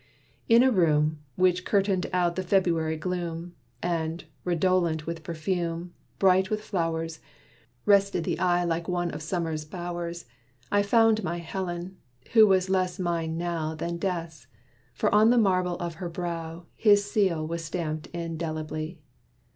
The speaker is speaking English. In a room Which curtained out the February gloom, And, redolent with perfume, bright with flowers, Rested the eye like one of Summer's bowers, I found my Helen, who was less mine now Than Death's; for on the marble of her brow, His seal was stamped indelibly.